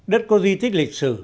một đất có di tích lịch sử